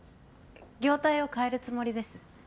業態を変えるつもりです